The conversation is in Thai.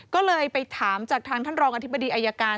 ก็เลยไปถามจากทางท่านรองอธิบดีอายการ